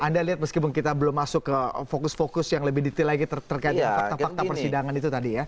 anda lihat meskipun kita belum masuk ke fokus fokus yang lebih detail lagi terkait fakta fakta persidangan itu tadi ya